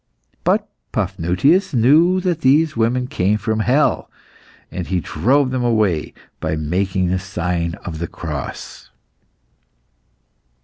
But Paphnutius knew that these women came from hell, and he drove them away by making the sign of the cross.